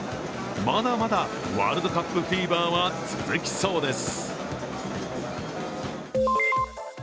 まだまだワールドカップフィーバーは続きそうです。